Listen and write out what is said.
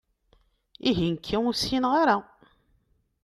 Ihi nekki ur ssineɣ ara?